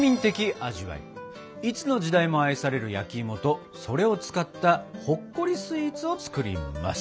いつの時代も愛される焼きいもとそれを使ったほっこりスイーツを作ります！